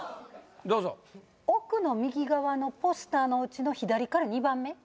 どうぞ奥の右側のポスターのうちの左から２番目？